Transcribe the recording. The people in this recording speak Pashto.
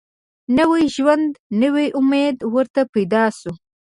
نوی ژوند نوی امید ورته پیدا سو